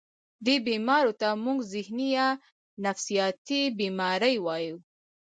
دې بيمارو ته مونږ ذهني يا نفسياتي بيمارۍ وايو